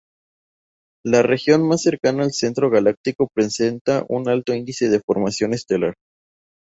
La región más cercana al centro galáctico presenta un alto índice de formación estelar.